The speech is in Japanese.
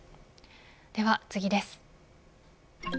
では次です。